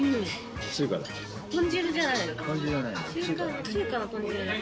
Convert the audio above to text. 豚汁じゃないよ。